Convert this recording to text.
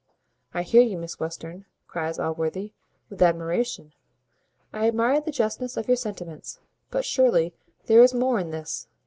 "I hear you, Miss Western," cries Allworthy, "with admiration. I admire the justness of your sentiments; but surely there is more in this.